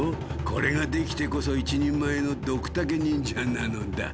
これができてこそ一人前のドクタケ忍者なのだ。